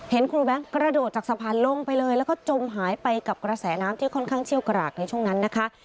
ครูแบงค์กระโดดจากสะพานลงไปเลยแล้วก็จมหายไปกับกระแสน้ำที่ค่อนข้างเชี่ยวกรากในช่วงนั้นนะคะ